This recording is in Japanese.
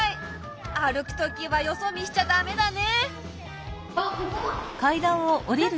歩くときはよそ見しちゃだめだね。